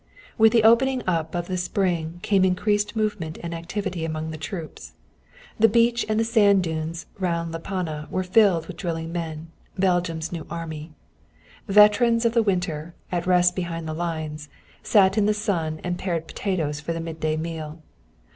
With the opening up of the spring came increased movement and activity among the troops. The beach and the sand dunes round La Panne were filled with drilling men, Belgium's new army. Veterans of the winter, at rest behind the lines, sat in the sun and pared potatoes for the midday meal.